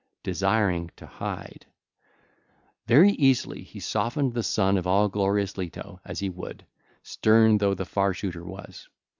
desiring to hide.... ((LACUNA)) ....Very easily he softened the son of all glorious Leto as he would, stern though the Far shooter was.